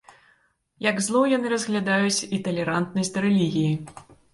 Як зло яны разглядаюць і талерантнасць да рэлігіі.